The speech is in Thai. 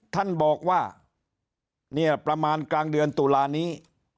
ท่านบอกว่าเนี่ยประมาณกลางเดือนตุลานี้